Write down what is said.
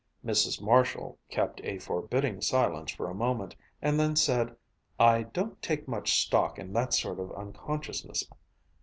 Mrs. Marshall kept a forbidding silence for a moment and then said: "I don't take much stock in that sort of unconsciousness.